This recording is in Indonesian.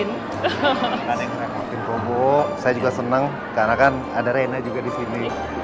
nggak ada yang repotin probo saya juga senang karena kan ada reina juga di sini